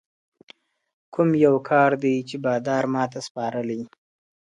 کوم یو کار دی چي بادار ماته سپارلی ..